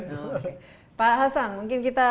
dulu pak hasan mungkin kita